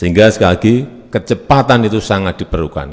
sehingga sekali lagi kecepatan itu sangat diperlukan